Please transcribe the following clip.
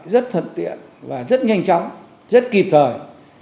rất thuận tiện và rất nhanh chóng rất kịp thời